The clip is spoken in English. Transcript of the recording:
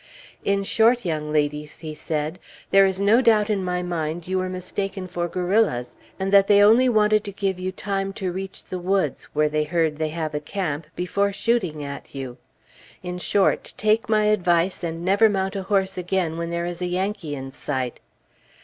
"In short, young ladies," he said, "there is no doubt in my mind that you were mistaken for guerrillas, and that they only wanted to give you time to reach the woods where they heard they have a camp, before shooting at you. In short, take my advice and never mount a horse again when there is a Yankee in sight."